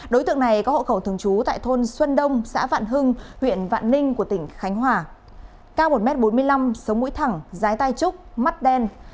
đối tượng này có hộ khẩu thường trú tại thôn xuân đông xã vạn hưng huyện vạn ninh của tỉnh khánh hòa cao một m bốn mươi năm sống mũi thẳng giái tai trúc mắt đen